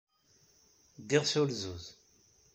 Ddiɣ s ulzuz.